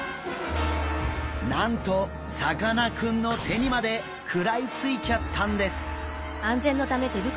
なんとさかなクンの手にまで食らいついちゃったんです。